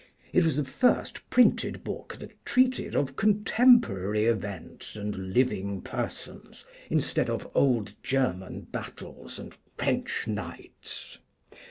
It was the first printed book that treated of contemporary events and living persons, instead of old German battles and French knights.